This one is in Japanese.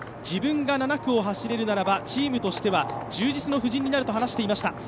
自分が７区を走れるならばチームとしては充実の布陣になると話していました。